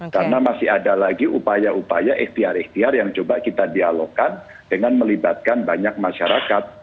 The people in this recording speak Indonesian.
karena masih ada lagi upaya upaya ikhtiar ikhtiar yang coba kita dialogkan dengan melibatkan banyak masyarakat